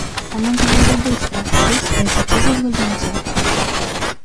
Она говорила быстро, быстро и хотела улыбнуться.